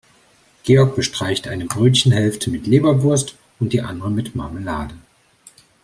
Georg bestreicht eine Brötchenhälfte mit Leberwurst und die andere mit Marmelade.